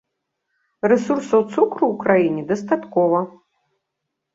Рэсурсаў цукру ў краіне дастаткова.